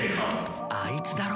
・あいつだろ？